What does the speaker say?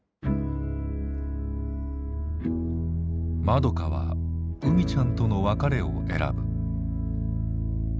まどかはうみちゃんとの別れを選ぶ。